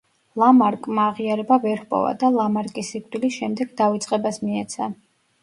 ლამარკმა აღიარება ვერ ჰპოვა და ლამარკის სიკვდილის შემდეგ დავიწყებას მიეცა.